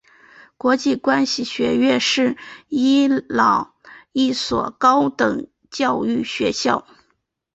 国际关系学院是伊朗一所高等教育学校。